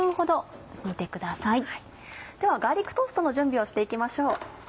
ではガーリックトーストの準備をして行きましょう。